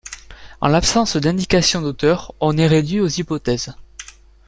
En l'absence d'indication d'auteur, on est réduit aux hypothèses.